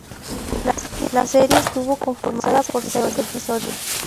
La serie estuvo conformada por seis episodios.